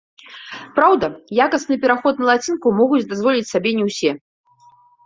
Праўда, якасны пераход на лацінку могуць дазволіць сабе не ўсе.